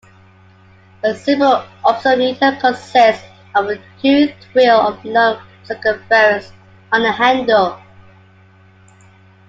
A simple opisometer consists of a toothed wheel of known circumference on a handle.